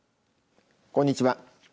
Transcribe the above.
こんにちは。